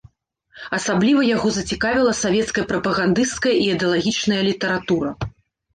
Асабліва яго зацікавіла савецкая прапагандысцкая і ідэалагічная літаратура.